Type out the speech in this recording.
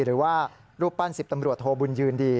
หรือว่ารูปปั้น๑๐ตำรวจโทบุญยืนดี